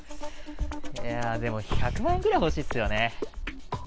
いやー、でも１００万円ぐらい欲しいっすよね。